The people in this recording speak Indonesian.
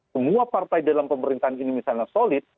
semua partai dalam pemerintahan ini misalnya solid